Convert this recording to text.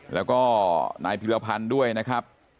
แล้วก็นายพิรพันธ์ด้วยนะครับ